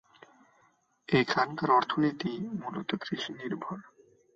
এখানকার অর্থনীতি মুলত কৃষি নির্ভর।